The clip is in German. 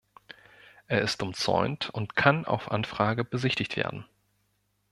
Er ist umzäunt und kann auf Anfrage besichtigt werden.